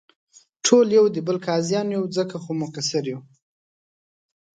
ټول یو دې بل قاضیان یو، ځکه خو مقصر یو.